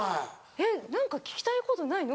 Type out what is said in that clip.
えっ何か聞きたいことないの？